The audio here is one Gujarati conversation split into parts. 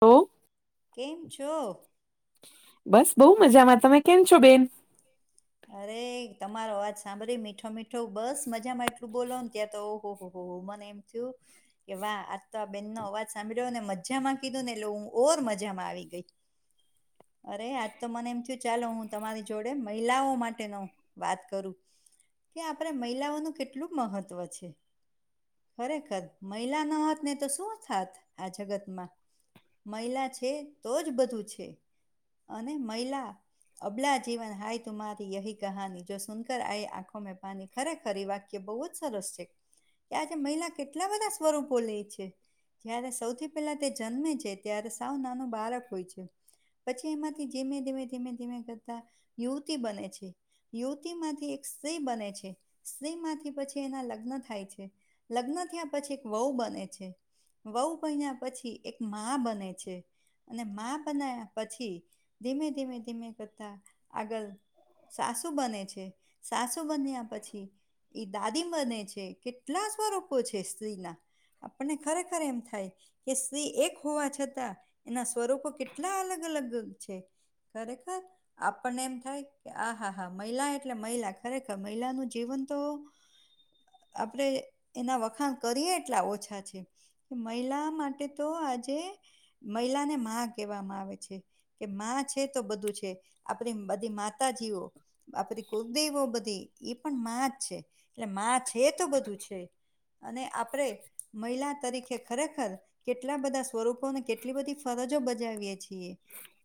હલો! કેમ છો? બસ બહુ મજામાં, તમે કેમ છો બેન? અરે! તમારો અવાજ સાંભળી મીઠો-મીઠો બસ મજામાં એટલું બોલો ને ત્યાં તો ઓહો- હો- હો -હો મને એમ. થ્યું. કે વાહ, આજ તો આ બેન નો અવાજ સાંભળ્યો ને મજામાં કીધું ને એટલે હું ઓર મજામાં આવી ગઈ. અરે, આજ તો મને એમ થ્યું ચાલો હું તમારી જોડે મ મહિલાઓ માટે ન વાત કરું. કે આપણે મહિલાઓનું કેટલું મહત્વ છે? ખરેખર, મહિલા ન હોત ને તો શું થાત આ જગત માં. મહિલા છે તો જ બધું છે. અને મહિલા અબલા જીવન હાય. તુમ્હારી યહી કહાની જો સુન કર આયે આંખો મેં પાની ખરેખર, એ વાક્ય બહુ જ સરસ છે. ત્યાં આજે મહિલા કેટલા બધા સ્વરૂપો લેય છે? જયારે સૌથી પહેલા તે જન્મે છે ત્યારે સાવ નાનું બાળક હોય છે. પછી એમાંથી ધીમે -ધીમે -ધીમે -ધીમે કરતા યુવતી બને છે. યુવતીમાંથી એક સ્ત્રી બને છે, સ્ત્રી માંથી પછી એના લગ્ન થાય છે. લગ્ન થ્યાં પછી એક વહુ બને છે. વહુ બયના પછી એક બને છે. અને માં બનાયા પછી ધીમે- ધીમે- ધીમે કરતા આગળ સાસુ બને છે. સાસુ બન્યા પછી એ દાદી બને છે. કેટલા સ્વરૂપો છે સ્ત્રીના? આપણને ખરેખર એમ થાય. કે સ્ત્રી એક હોવા છતાં એના સ્વરૂપો કેટલા અલગ- અલગ છે. ખરેખર, આપણને એમ થાય? કે આહા-હા મહિલા એટલે મહિલા ખરેખર મહિલાનું જીવન તો. આપણેે એના વખાણ કરીએ એટલા ઓછા છે. મહિલા માટે તો આજે મહિલા ને માં કહેવામાં આવે છે કે માં છે તો બધું છે. આપણી બધી મા માતાજીઓ આપરી કુલદેવો બધી એ પણ માં જ છે. એટલે માં છે તો બધું છે. અને આપણેે મહિલા તરીકે ખરેખર, કેટલા બધા સ્વરૂપો ને કેટલી બધી ફરજો બજાવીએ છીએ.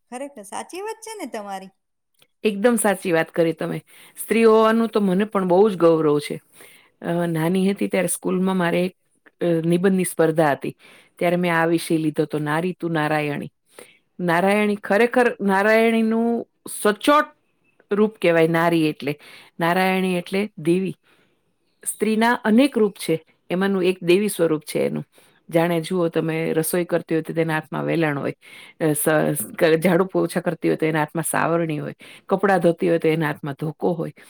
ખરેખર, સાચી વાત છે ને તમારી? એકદમ સાચી વાત કરી તમે સ્ત્રી હોવાનું તો મને પણ બહુ જ ગૌરવ છે. અ નાની હતી ત્યારે સ્કૂલમાં મારે એક નિબંધની સ્પર્ધા હતી ત્યારે મેં આ વિષ લીધો હતો નારી તું નારાયણી. નારાયણી ખરેખર નારાયણીનું સ્વચ ચોટ રૂપ કેહેવાય નારી એટલે નારાયણી એટલે દેવી. સ્ત્રીના અનેક રૂપ છે એમાંનું એક દેવી સ્વરૂપ છે એનું. જાણે જુઓ તમે રસોઈ કરતી હોય તો તેના હાથમાં વેલાણ હોય. ઝાડુ પોછા કરતી હોય તો એના હાથમાં સાવરણી હોય. કપડાં ધોતી હોય તો એને હાથમાં ધોકો હોય.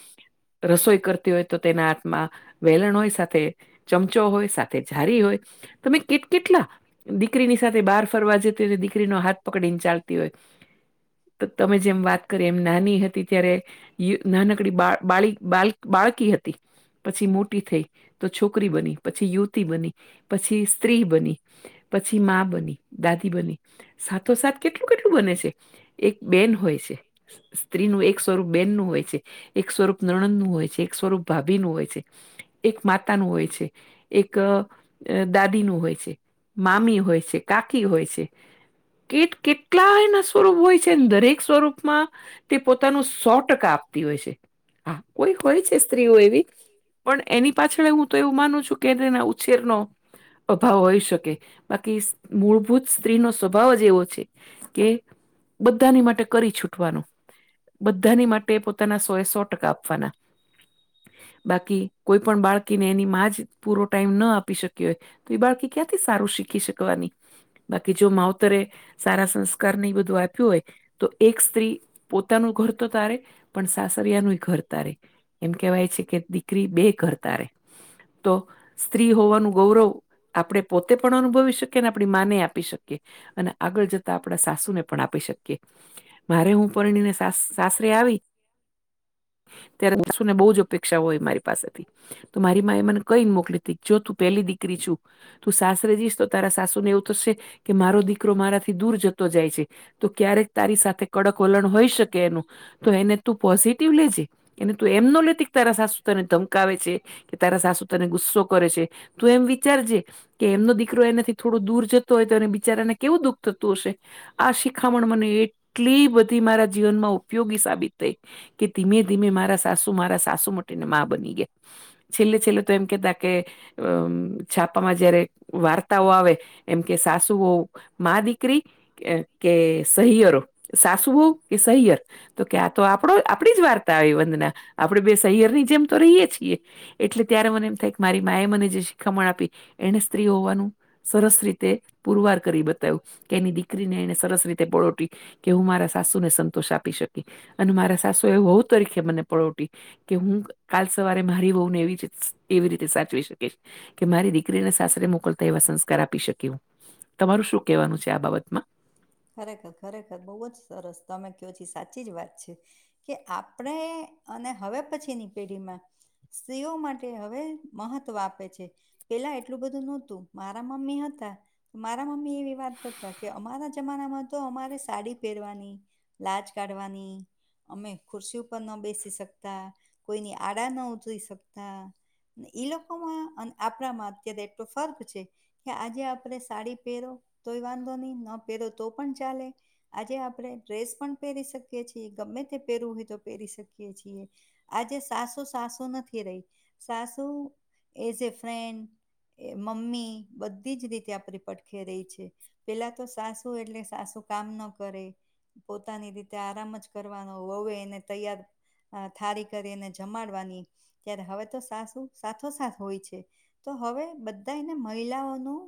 રસોઈ કરતી હોય તો તેના હાથમાં વેલણ હોય સાથે ચમચો હોય સાથે ઝારી હોય તમે કે કેટલા દીકરીની સાથે બહાર ફરવા જતી હોયને દીકરીનો હાથ પકડી ને ચાલતી હોય. તો તમે જેમ વાત કરી એમ નાની હતી ત્યારે નાનકડી બા બાળ બા બાળકી હતી. પછી મોટી થઈ તો છોકરી બની પછી યુવતી બની પછી સ્ત્રી બની પછી બની દાદી બની સાથોસાથ કેટલું કેટલું બને છે. એક બેન હોય છે સ્ત્રીનું એક સ્વરૂપ બેન નું હોય છે એક સ્વરૂપ નણંદ નું હોય છે એક સ્વરૂપ ભાભી નું હોય છે એક માતા નું હોય છે એક દાદી નું હોય છે મામી હોય છે કાકી હોય છે કે કેટલા એના સ્વરૂપ હોય છેને દરેક સ્વરૂપમાં તે પોતાનું સો ટકા આપતી હોય છે હા કોઈ હોય છે સ્ત્રીઓ એવી પણ એની પાછળ હું તો એવું માનું છું કે તેના ઉછેરનો અભાવ હોય શકે બાકી મૂળભૂત સ્ત્રીનો શ ભાવ જ એવો છે કે બધાની માટે કરી છૂટ વાનો બધાની માટે પોતાના સોએ સો ટકા આપવાના. બાકી કોઈ પણ બાળકીને એની માં જ પૂરો ટાઈમ ના આપી શકી હોય તો એ બાળકી ક્યાંથી સારું શીખી શકવાની. બાકી જો માવતરે સારા સંસ્કારને એ બધું આપ્યું હોય તો એક સ્ત્રી પોતાનું ઘર તો તારે પણ સાસરિયાનું ઘર તારે. એમ કહેવાય છે કે દીકરી બે ઘ ત ર તો સ્ત્રી હોવાનું ગૌરવ આપણે પોતે પણ અનુભવી શકીએ ને આપણી માને આપી શકીએ અને આગળ જતા આપણા સાસુને પણ આપી શકીએ. મારે હું પરણી ને સા સાસરે આવી ત્યારે વસુને બહુ જ અપેક્ષા હોય મારી પાસેથી તો મારી મા એ મને કઈને મોકલી ત જો તું પેલી દીકરી છુ તું સાસરે જઈશ તારા સાસુ ને એવું થશે કે મારો દીકરો મારાથી દૂર જતો જાય છે તો ક્યારેક તારી સાથે કડક વલણ હોય શકે એનું તો એને તું પોઝિટિવ લેજે. એને તું એમનો લેતી કે તારા સાસુ તને ધમકાવે છે કે તારા સાસુ તન ને ગુસ્સો કરે છે. તું એમ વિચારજે કે એમનો દીકરો એનાથી થોડું દૂર જતો હોય તો અને બિચારાને કેવું દુઃખ થતું હશે. આ શિખામણ મને એટલી બધી મારા જીવનમાં ઉપયોગી સાબિત થઈ કે ધીમે ધીમે મારા સાસુ મારા સાસુ મટીને માં બની ગયા. છેલ્લે છેલ્લે ત એમકે તેમ છાપામાં જ્યારે વાર્તાઓ આવે એમ કે સાસુઓ માં દીકરી કે કે સહિયરો સાસુઓ કે સહિયર. તો કે્યા તો આપડ આપડી જ વાર્તા આવે વંદના આપડે બે સહિયર ની જેમ તો રહીયે છીએ. એટલે ત્યારે મને એમ થાય કે મારી મા એ મને જે શીખામણ આપી એને સ્ત્રી હોવાનું સરસ રીતે પુરવાર કરી બતાવું કે એની દીકરીને એને સરસ રીતે બળોટી. કે હું મારા સાસુને સંતોષ આપી શકી અને મારા સાસુ એ વહુ તરીકે મને પળોટી કે હું કાલ સવારે મારી બહુ ને એ એવી રીતે સાચવી શકીશ. કે મારી દીકરીને સાસરે મોકલતા એવા સંસ્કાર આપી શક તમારું શું કેહેવાનું છે આ બાબતમાં. ખરેખર ખરેખર બહુ જ સરસ તમે કહો છ સાચી જ વાત છે કે આપણે અને હવે પછીની પેઢીમાં સ્ત્રીઓ માટે હવે મહત્વ આપે છે પેલા એટલું બધું નહોતું મારા મમ્મી હતા તો મારા મમ્મી એવી વાત કરતા કે અમારા જમાના માં તો અમારે સાડી પહેરવાની લાજ કાઢવાની અમે ખુરશી ઉપર ના બેસી શકતા કોઈની આડા ન ઉતરી શકતા ઈ લોકોમાં અને આપણામાં અત્યારે એટલો ફર્ક છે કે આજે આપડ સાડી પહેરો તોય વાંધો નહી ન પહેરો તો પણ ચાલે આજે આપણે ડ્રેસ પણ પહેરી શકીએ છીએ ગમે તે પહેરવું હોય તો પહેરી શકીએ છીએ આજે સાસુ સાસુ નથી રહી સાસુ as a friend a mummy બધી જ રીતે આપડી પટખે રહી છે પેલા તો સાસ ું એટલે સાસું કામ ન કરે પોતાની રીતે આરામ જ કરવાનો હવે એને તૈયાર થારી કરીને જમાડવાની ત્યારે હવે તો સાસુ સાથોસાથ હોય છે તો હવે બધાને મહિલાઓનું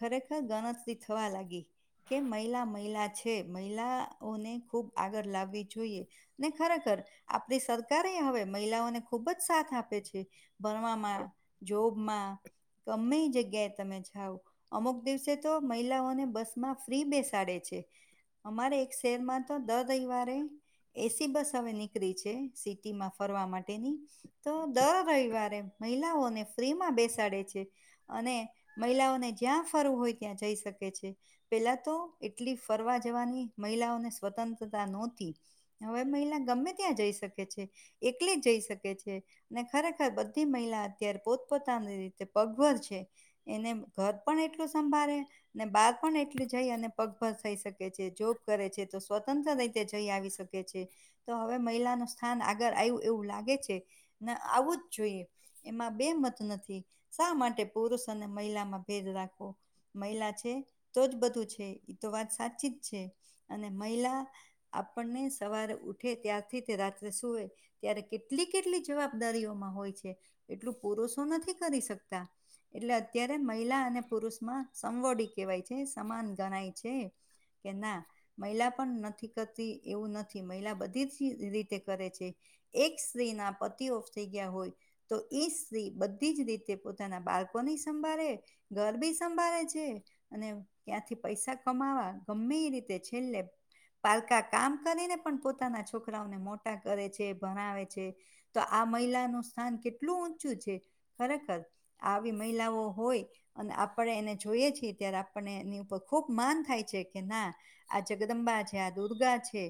ખરેખર ગણતરી થવા લાગી કે મહિલા મહિલા છે મહિલાઓને ખૂબ આગળ લાવવી જોઈએ ને ખરેખર આપણી સરક એ હવે મહિલાઓને ખુબ જ સાથ આપે છે ભણવામાં જોબમાં ગમે જગ્યાએ તમે જાાવ અમુક દિવસે તો મહિલાઓને બસ ફ્રી બેસાડે છે અમારે એક શહેરમાં તો દર રિવારે એસી બસ હવે નીકળી છે સિટીમાં ફરવા માટેની તો દર રવિવારે મહિલાઓને ફ્રી માં બેસાડે છે અને મહિલાઓને જ્યાં ફરવું હોય ત્યાં જઈ શકે છે પેલા તો એટલી ફરવા જવાની મહિલાઓને સ્વતંત્રતા નહોતી હવે મહિલા ગમે ત્યાં જઈ શકે છે એકલી જ જઈ શકે છે અને ખરેખર બધી મહિલા અત્યારે પોતપોતાની રીતે પગભર છે એને ઘર પણ એટલું સંભાળે ને બાદ પણ એટલું જઈ અને પગભર થઈ શકે છે જોબ કરે છે તો સ્વતંત્ર રીતે જઈ આવી શકે છે તો હવે મહિલાનું સ્થાન આગળ આવ એવું લાગે છે ને આવું જ જોઈએ એમાં બે મત નથી શા માટે પુરુષ અને મહિલામાં ભેદ રાખવો મહિલા છે તો જ બધું છે એ તો વાત સાચી જ છે અને મહિલા આપણને સવારે ઉઠે ત્યારથી તે રાત્રે સુૂવે ત્યારે કેટલી કેટલી જવાબદારીઓમાં હોય છે એટલું પુરષો નથી કરી શકતા એટલે અત્યારે મહિલા અને પુરુષ માં સમવોડી કેહેવાય છે છે સમાન ગણાય છે કે ના મહિલા પણ નથી કરતી એવું નથી મહિલા બધી જ રીતે કરે છે એક સ્ત્રી ના પતિ ઓફ થઈ ગયા હોય તો એઈ સ્ત્રી બધી જ રીતે પોતાના બાળકો ની સંભાળે ઘર બી સંભાળે છે અને ત્યાંથી પૈસા કમાવા ગમે એ રીતે છેલ્લે પાલકા કામ કરીને પણ પોતાના છોકરાઓને મોટા કરે છે ભણાવે છે તો આ મહિલાનું સ્થાન કેટલું ઊંચું છે ખરેખર આવી મહિલાઓ હોય અને આપણે એને જોઈએ છેીએ ત્યારે આપણને એની ઉપર ખુબ માન થાય છે કે ના આ જગદંબા છે આ દુર્ગા છે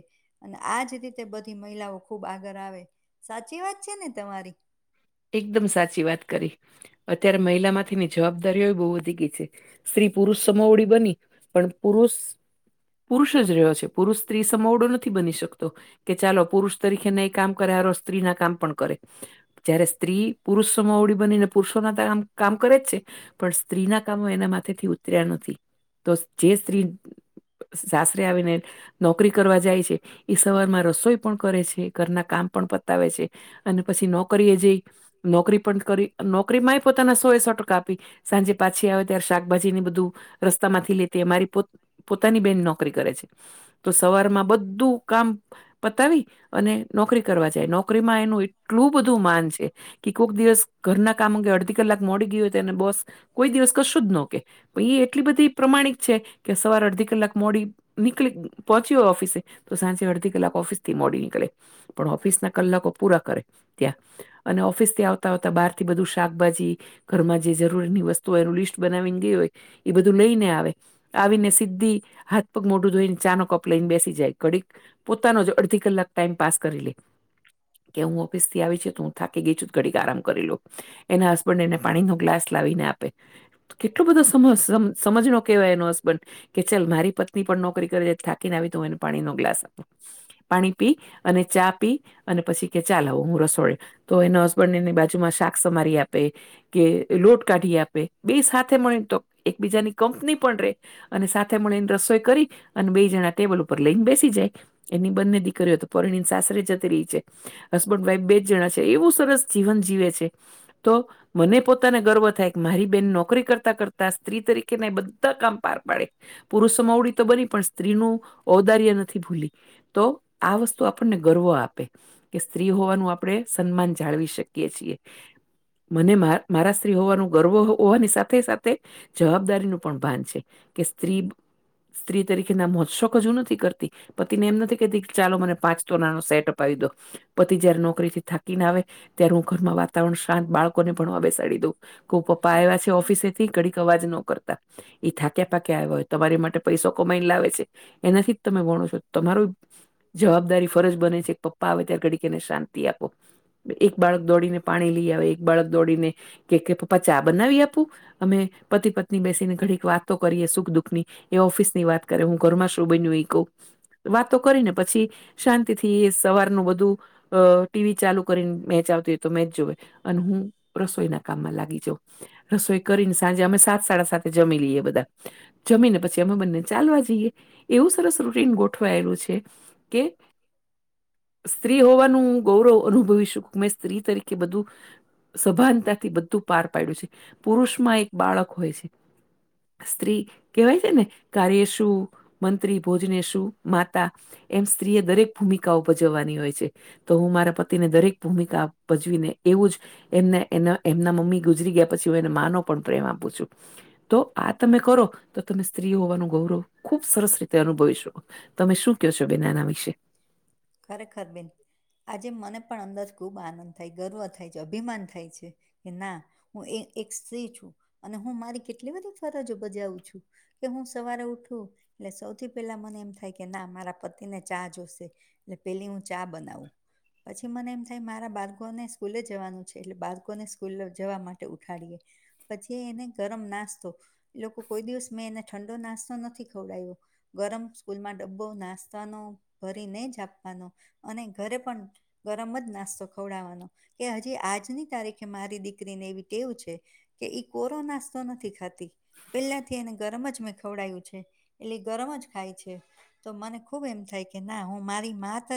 અને આજ રીતે બધી મહિલાઓ ખુબ આગળ આવે સાચી વાત છે ને તમારી એકદમ સાચી વાત કરી અત્યારે મહિલામાંથીની જવાબદારીઓ બહુ વધી ગઈ છે સ્ત્રી પુરુષ સમમાવડી બની પણ પુરુષ પુરુષ જ રહ્યો છે પુરુષ સ્ત્રી સમમાવડો નથી બની શકતો કે ચાલો પુરુષ તરીકે નહી કામ કરે હાર સ્ત્રી ના કામ પણ કરે જયારે સ્ત્રી પુરુષોમાં ઓડી બનીને પુરુષોના કામ કામ કરે જ છે પણ સ્ત્રીના કામો એના માથેથી ઉતર્યા નથી, તો જે સ્ત્રી સાસરે આવીને નોકરી કરવા જાય છે, ઈ સવારમાં રસોઈ પણ કરે છે, ઘરના કામ પણ પતાવે છે. અને પછી નોકરી એ જઈ નોકરી પણ કરી નોકરીમાંય પોતાના સો એ સો ટકા આપી સાંજે પાછી આવે ત્યારે શાકભાજી ને બધું રસ્તામાંથી લેતી આ મારી પોત પોતાની બેન નોકરી કરે છે, તો સવારમાં બધું કામ પતાવી અને નોકરી કરવા જાય નોકરીમાં એનું એટલું બધું માન છે, કે કોક દિવસ ઘરના કામ અંગે અડધી કલાક મોડી ગીય હોય તો એને બોસ કોઈ દિવસ કશું જ નો કે પણ ઈ એટલી બધી પ્રમાણિક છે કે, સવારે અડધી કલાક મોડી નીકળે પહોંચી હોય ઓફિસે તો સાંજે અડધી કલાક ઓફિસથી મોડી નીકળે પણ ઓફિસના કલાકો પૂરા કરે. ત્યાં અને ઓફિસથી આવતા આવતા બારથી બધું શાકભાજી ઘરમાં જે જરૂરની વસ્તુ ઓય એનું લિસ્ટ બનાવીને ગેઈ ઓય એ બધું લઈ ને આવે આવીને સિધ્ધી હાથ પગ મોડુ ધોઈ ને ચા નો કપ લઈને બેસી જાય ઘડીક પોતાનો જ અડધી કલાક ટાઈમ પાસ કરી લેય કે હું ફિસથી આવી છે, તો હું થાકી ગઈ છું ઘડીક આરામ કરી લઉ, એના હસબન્ડ એને પાણીનો ગ્લાસ લાવીને આપે. કેટલો બધો સમ સમ સમજનો કેવાય એનો હસ બન્ડ કે ચાલ મારી પત્ની પણ નોકરી કરે છે, થાકીને આવી તો હું એને પાણીનો ગ્લાસ આપું. પાણી પીય અને ચા પીય અને પછી કે ચા લાવો હું રસોડે તો એનો આપનેને બાજુમાં શાક સમારી આપે કે લોટ કાઢી આપે બેય સાથ થે મળીને તો એકબીજાની કંપની પણ રે અને સાથે મળીને રસોઈ કરી અને બેય જણા ટેબલ ઉપર લઈને બેસી જાય. એની બંને દીકરીઓ તો પરણી સાસરે જતી રઈ છે. બન્ડ વાઈફ બે જ જણા છે, એવું સરસ જીવન જીવે છે તો મને પોતાને ગર્વ થાય કે મારી બેન નોકરી કરતાં કરતા સ્ત્રી તરીકે ને બધા કામ પાર પાડે પુરુષો માવડી તો બની પણ સ્ત્રીનું ઔદાર્ય નથી ભૂલી તો આ વસ્તુ આપણને ગર્વ આપે કે સ્ત્રી હોવાનું આપણે સન્માન જાળવી શકીએ છીએ મને માર મારા શ્રી હોવાનું ગર્વ ઓવાની સાથે સાથે જવાબદારીનું પણ ભાન છે કે સ્ત્રી સ્ત્રી તરીકેના મોજ શોક અજુ નથી કરતી પતિને એમ નથી કેતી કે ચાલો મને પાંચ તોલાનો સેટ અપાવી દો. પતિ જયારે નોકરીથી થાકીને આવે ત્યારે હું ઘરમાં વાતાવરણ શાંત બાળકો ને ભણવા બેસ કરી દઉ કઉ પપ્પા આયવા છે ઓફિસે થી ઘડીક અવાજ નો કરતા એ થાક્યા પાક્યા આયવા હોય તમારી માટે પૈસો કમાઈને લાવે છે. એનાથી જ તમે વણો છો તમારુ જવાબદારી ફરજ બને છે કે પપ્પા આવે ત્યારે ઘડીક કે એને શાંતિ આપો એક બાળક દોડીને પાણી લઈ આવે એક બાળક દોડીને કે કે પપ્પા ચા બનાવી આપું અમે પતિ પત્ની બેસીને ઘડીક વાતો કરીએ સુખ દુઃખની એ ઓફિસની વાત કરે હું ઘરમાં શું બન્યું એ કઉ વાતો કરીને પછી શાંતિથી સવારનું બધું અ ટીવી ચાલુ કરીને મેચ આવતી હોય તો મેચ જોવે અને હું રસોઈના કામમાં લાગી જઉ રસોઈ કરીને સાંજે અમે સાથે સાડા સાતે જમી લઈએ બધા જમી ને પછી અમે બંને ચાલવા જીએ. એવું સરસ રૂટીન ગોઠવાયેલું છે કે સ્ત્રી હોવાનું ગૌરવ અનુભવીશુ મે સ્ત્રી તરીકે બધું સભાનતાથી બધું પાર પાયડુ છે પુરુષમાં એક બાળક હોય છે. સ્ત્રી કેવાય છે ને કાર્ય શું મંત્રી ભોજને શું માતા એમ સ્ત્રી એ દરેક ભૂમિકાઓ ભજવવાની હોય છે તો હું મારા પતિને દરેક ભૂમિકા ભજવીને એવું જ એમને એ એમના મમ્મી ગુજરી ગયા પછી હું એને માનો પણ પ્રેમ આપું છું. તો આ તમે કરો તો તમે સ્ત્રીઓ હોવાનું ગૌરવ ખુબ સરસ રીતે અનુભવી શકો. તમે શું કેહ છો બેન એના વિશે ખરેખર બેન આજે મને પણ અંદર ખૂબ આનંદ થાય ગર્વ થાય છે અભિમાન થાય છે. કે ના હું એ એક સ્ત્રી છું અને હું મારી કેટલી બધી ફરજો બજાવું છું. કે હું સવારે ઉઠું એટલે સૌથી પેલા મને એમ થાય કે ના મારા પતિને ચા જોશે એટલે પેલી હું ચા બનાવું પછી મને એમ થાય મારા બાળકોને સ્કૂલે જવાનું છે એટલે બાળકોને સ્કૂલ જવા માટે ઉઠાડીએ પછી એને ગરમ નાસ્તો એ લોકો કોઈ દિવસ મેં એને ઠંડો નાસ્તો નથી ખવડાય્યો. ગરમ સ્કૂલમાં ડબ્બો નાસ્તાનો ભરી ને જ આપવાનો અને ઘરે પણ ગરમ જ નાસ્તો ખવડાવવાનો કે હજી આજની તારીખે મારી દીકરીને એવી ટેવ છે કે ઈ કોરો નાસ્તો નથી ખાતી પેલા થી એને ગરમ જ મેં ખવડાયું છે એટલે ગરમ જ ખાય છે તો મને ખુબ એમ થાય કે ના હું મારી મા ત